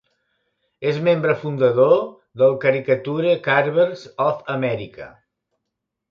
És membre fundador de Caricature Carvers of America.